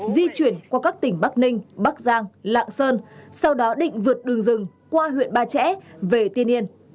di chuyển qua các tỉnh bắc ninh bắc giang lạng sơn sau đó định vượt đường rừng qua huyện ba trẻ về tiên yên